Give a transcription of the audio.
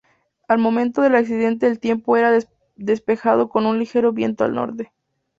Al momento del accidente el tiempo era despejado con un ligero viento del norte.